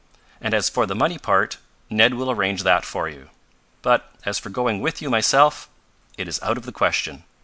And as for the money part, Ned will arrange that for you. But as for going with you myself, it is out of the question.